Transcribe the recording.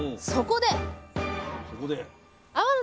そこで！